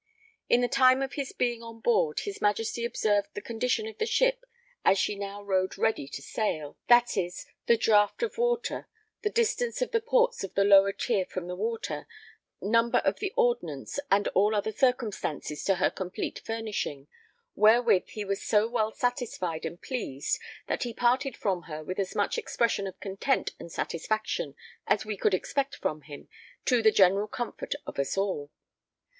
In the time of his being on board, his Majesty observed the condition of the ship as she now rode ready to sail, vidt. the draught of water, the distance of the ports of the lower tier from the water, number of the ordnance, and all other circumstances to her complete furnishing; wherewith he was so well satisfied and pleased that he parted from her with as much expression of content and satisfaction as we could expect from him, to the general comfort of us all.